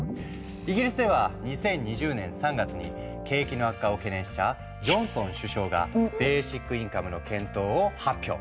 イギリスでは２０２０年３月に景気の悪化を懸念したジョンソン首相がベーシックインカムの検討を発表。